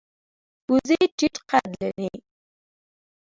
وزې ټیټه قد لري